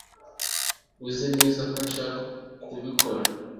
uzi neza ko ushaka kubikora